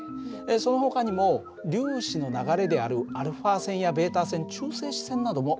そのほかにも粒子の流れであるα線やβ線中性子線などもあるんだよ。